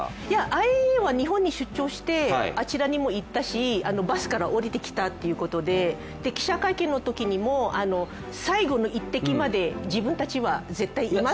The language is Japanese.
ＩＡＥＡは日本に出張して、あちらにも行ったしバスから降りてきたってことで記者会見のときにも最後の一滴まで自分たちは絶対いますって。